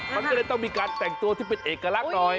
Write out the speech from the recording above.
มันก็เลยต้องมีการแต่งตัวที่เป็นเอกลักษณ์หน่อย